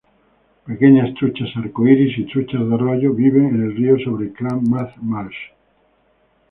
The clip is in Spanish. Pequeñas truchas arcoiris y truchas de arroyo viven en el río sobre Klamath Marsh.